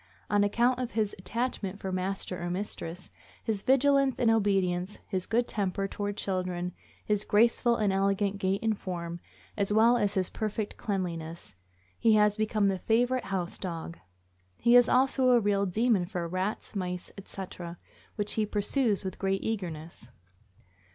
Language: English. On account of his attachment for master or mistress, his vigilance and obedience, his good temper toward children, his graceful and elegant gait and form, as well as his perfect cleanliness, he has become the favorite house dog. He is also a real demon for rats, mice, etc., which he pursues with great eagerness.